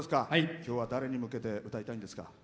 今日は、誰に向けて歌いたいんですか？